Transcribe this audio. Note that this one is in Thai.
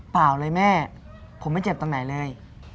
เปล่าเลยแม่ผมไม่เจ็บตรงไหนเลย